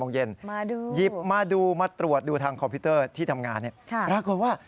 ๑๐โมงเย็นยิบมาดูมาตรวจดูทางคอมพิวเตอร์ที่ทำงานเนี่ยปรากฏว่า